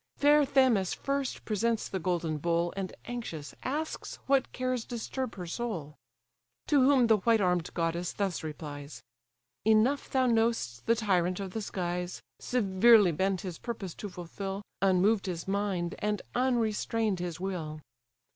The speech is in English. Fair Themis first presents the golden bowl, And anxious asks what cares disturb her soul? To whom the white arm'd goddess thus replies: "Enough thou know'st the tyrant of the skies, Severely bent his purpose to fulfil, Unmoved his mind, and unrestrain'd his will.